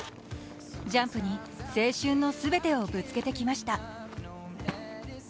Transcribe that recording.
ジャンプに青春のすべてをぶつけてきました。